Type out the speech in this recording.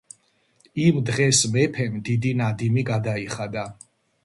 იმ დღეს მეფემ დიდი ნადიმი გადაიხადა .